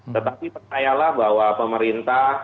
tetapi percayalah bahwa pemerintah